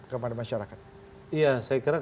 kepada masyarakat iya saya kira